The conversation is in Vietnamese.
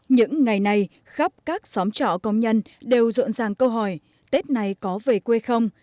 những ngày này khắp các xóm trọ công nhân đều rộn ràng câu hỏi tết này có về quê không